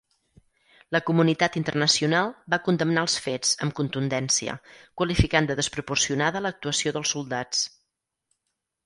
La comunitat internacional va condemnar els fets amb contundència, qualificant de desproporcionada l'actuació dels soldats.